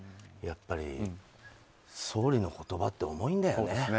やっぱり総理の言葉って重いんだよね。